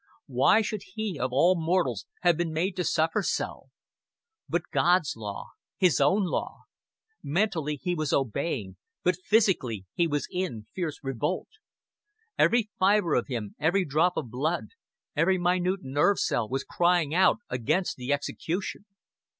Why should he of all mortals have been made to suffer so? But God's law his own law. Mentally he was obeying, but physically he was in fierce revolt. Every fiber of him, every drop of blood, every minute nerve cell was crying out against the execution.